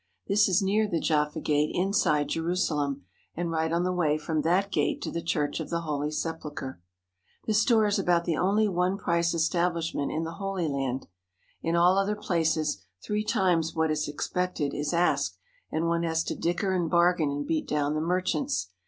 This is near the Jaffa Gate inside Jerusalem, and right on the way from that gate to the Church of the Holy Sepulchre. This store is about the only one price establishment in the Holy Land. In all other places three times what is expected is asked, and one has to dicker and bargain and beat down the merchants.